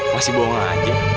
masih bohong aja